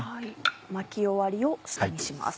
巻き終わりを下にします。